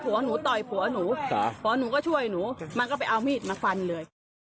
หัวหนูต่อยผัวหนูผัวหนูก็ช่วยหนูมันก็ไปเอามีดมาฟันเลย